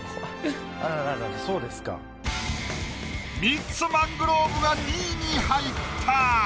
ミッツ・マングローブが２位に入った。